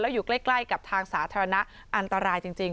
อยู่ใกล้กับทางสาธารณะอันตรายจริง